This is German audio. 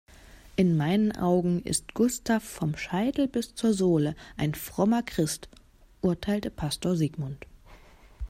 In meinen Augen ist Gustav vom Scheitel bis zur Sohle ein frommer Christ, urteilte Pastor Sigmund.